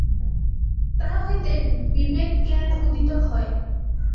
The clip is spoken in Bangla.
তাহা হইতে বিবেকজ্ঞান উদিত হয়।